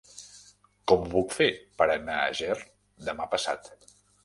Com ho puc fer per anar a Ger demà passat?